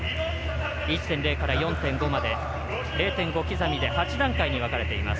１．０から４．５まで０．５刻みで８段階に分かれています。